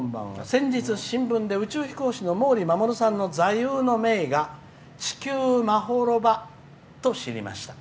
先日、新聞で宇宙飛行士の毛利衛さんの座右の銘が「地球まほろば」と知りました。